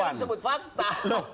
itu yang disebut fakta